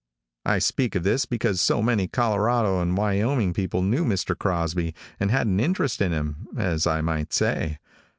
I speak of this because so many Colorado and Wyoming people knew Mr. Crosby and had an interest in him, as I might say.